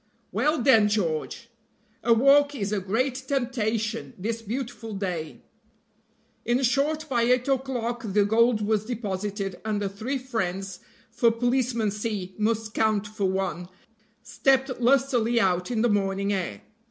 "Well, then, George! a walk is a great temptation, this beautiful day." In short, by eight o'clock the gold was deposited, and the three friends, for Policeman C must count for one, stepped lustily out in the morning air.